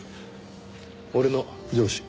俺の上司。